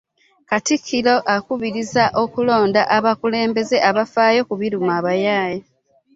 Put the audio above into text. Katikkiro akubirizza okulonda abakulembeze abafaayo ku biruma abayaaye